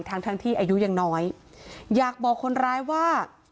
ทั้งทั้งที่อายุยังน้อยอยากบอกคนร้ายว่า